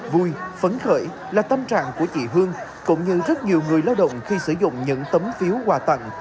vui phấn khởi là tâm trạng của chị hương cũng như rất nhiều người lao động khi sử dụng những tấm phiếu quà tặng